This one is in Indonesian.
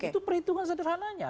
itu perhitungan sederhananya